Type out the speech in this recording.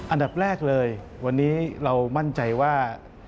อันดับแรกเลยวันนี้เรามั่นใจว่า